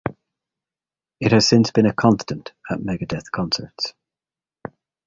It has since been a constant at Megadeth concerts.